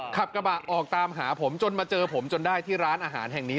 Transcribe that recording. ขับกระบะออกตามหาผมจนมาเจอผมจนได้ที่ร้านอาหารแห่งนี้